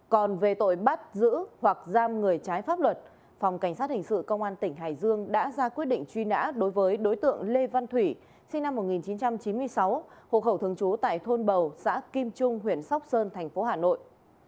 còn về tội bắt giữ hoặc giam người trái pháp luật phòng cảnh sát hình sự công an tỉnh hải dương đã ra quyết định truy nã đối với đối tượng lê văn thủy sinh năm một nghìn chín trăm chín mươi sáu hộ khẩu thường trú tại thôn bầu xã kim trung huyện sóc sơn thành phố hà nội